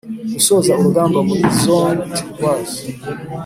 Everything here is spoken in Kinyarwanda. gusoza urugamba muri Zone Turquoise.